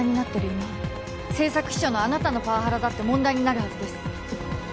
今政策秘書のあなたのパワハラだって問題になるはずです。